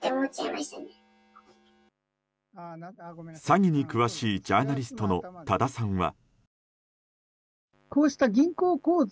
詐欺に詳しいジャーナリストの多田さんは。